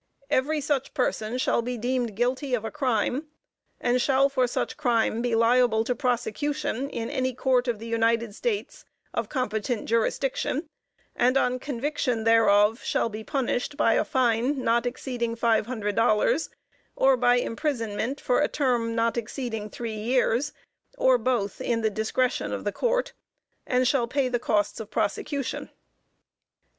every such person shall be deemed guilty of a crime, and shall for such crime be liable to prosecution in any Court of the United States of competent jurisdiction, and on conviction thereof, shall be punished by a fine not exceeding five hundred dollars, or by imprisonment for a term not exceeding three years, or both, in the discretion of the Court, and shall pay the costs of prosecution."